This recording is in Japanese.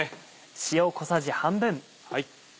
塩小さじ半分。